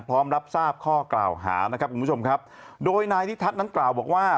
รับทราบข้อกล่าวหานะครับคุณผู้ชมครับโดยนายนิทัศน์นั้นกล่าวบอกว่า